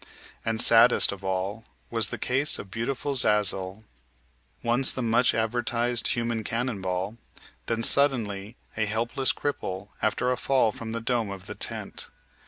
And saddest of all was the case of beautiful "Zazel," once the much advertised "human cannonball," then suddenly a helpless cripple after a fall from the dome of the tent.